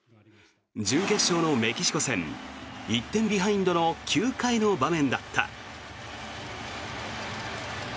準決勝のメキシコ戦１点ビハインドの９回の場面だった。